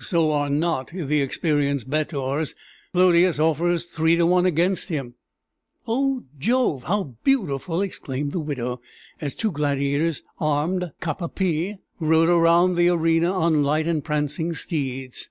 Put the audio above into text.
"So are not the experienced bettors: Clodius offers three to one against him." "Oh, Jove! how beautiful!" exclaimed the widow, as two gladiators, armed cap à pie, rode round the arena on light and prancing steeds.